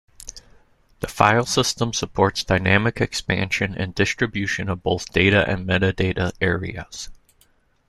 The file system supports dynamic expansion and distribution of both data and metadata areas.